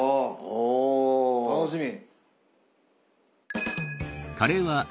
お楽しみ！